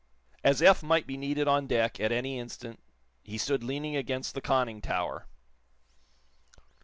As Eph might be needed on deck, at any instant, he stood leaning against the conning tower.